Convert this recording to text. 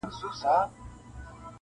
په پای کي هر څه بې ځوابه پاتې کيږي,